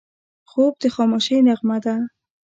خوب د خاموشۍ نغمه ده